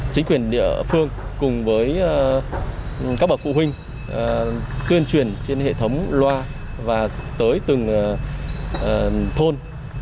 chính quyền địa phương cùng với các bậc phụ huynh tuyên truyền trên hệ thống loa và tới từng thôn